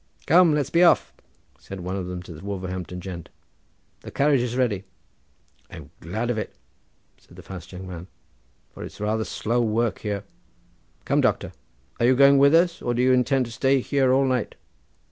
"Come, let's be off," said one of them to the Wolverhampton gent; "the carriage is ready." "I'm glad of it," said the fast young man, "for it's rather slow work here. Come, doctor! are you going with us or do you intend to stay here all night?"